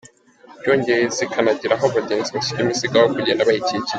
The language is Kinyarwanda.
Byongeye zikanagira aho abagenzi bashyira imizigo aho kugenda bayikikiye.